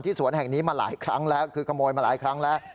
สวนแห่งนี้มาหลายครั้งแล้วคือขโมยมาหลายครั้งแล้ว